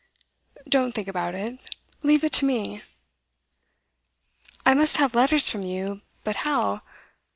'Don't think about it. Leave it to me.' 'I must have letters from you but how?